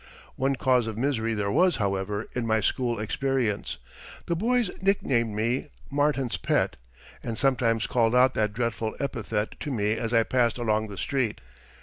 One cause of misery there was, however, in my school experience. The boys nicknamed me "Martin's pet," and sometimes called out that dreadful epithet to me as I passed along the street.